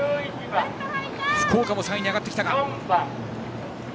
福岡も３位に上がった。